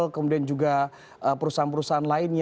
kemudian juga perusahaan perusahaan